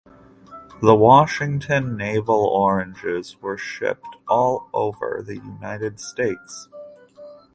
The Washington navel oranges were shipped all over the United States.